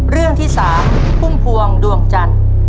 เรื่องที่๓พุ่มพวงดวงจันทร์